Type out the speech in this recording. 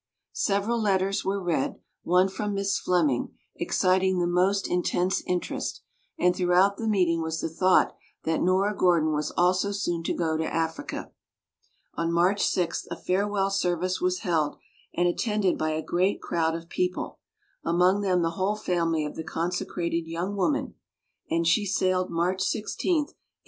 Sev eral letters were read, one from Miss Flem ing exciting the most intense interest; and throughout the meeting was the thought that Xora Gordon was also soon to go to Africa, On March 6 a farewell service was held, and attended by a great crowd of peo NORA GORDON 47 pie, among them the whole family of the consecrated young woman; and she sailed March 16, 1889.